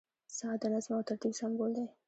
• ساعت د نظم او ترتیب سمبول دی.